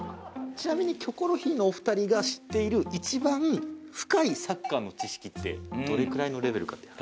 ちなみに『キョコロヒー』のお二人が知っている一番深いサッカーの知識ってどれくらいのレベルかっていう。